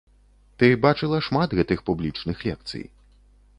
Ты бачыла шмат гэтых публічных лекцый.